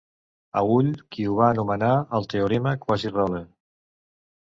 Aull, qui ho va anomenar el teorema Quasi-Rolle.